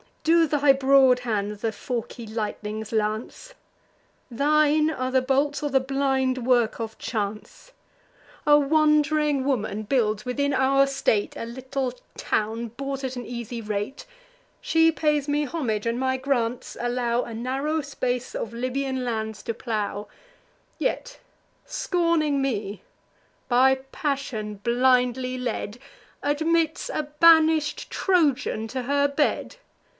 Do thy broad hands the forky lightnings lance? Thine are the bolts, or the blind work of chance? A wand'ring woman builds, within our state, A little town, bought at an easy rate; She pays me homage, and my grants allow A narrow space of Libyan lands to plow; Yet, scorning me, by passion blindly led, Admits a banish'd Trojan to her bed!